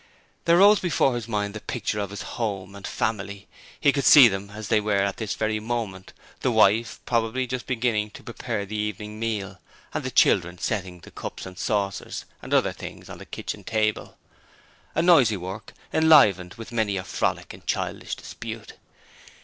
There rose before his mind the picture of his home and family. He could see them as they were at this very moment, the wife probably just beginning to prepare the evening meal, and the children setting the cups and saucers and other things on the kitchen table a noisy work, enlivened with many a frolic and childish dispute.